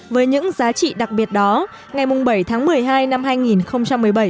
với những giá trị đặc biệt đó ngày bảy tháng một mươi hai năm hai nghìn một mươi bảy